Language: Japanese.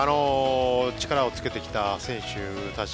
力をつけてきた選手たち